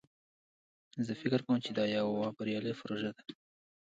زه فکر کوم چې دا یوه بریالی پروژه ده